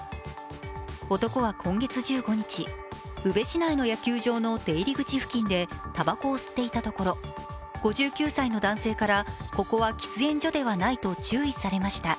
男は今月１５日、宇部市内の野球場の出入り口付近でたばこを吸っていたところ５９歳の男性からここは喫煙所ではないと注意されました。